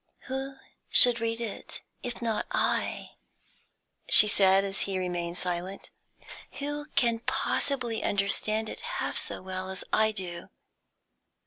"Who should read it, if not I?" she said, as he remained silent. "Who can possibly understand it half so well as I do?"